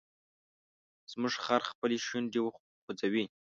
زموږ خر خپلې شونډې خوځوي.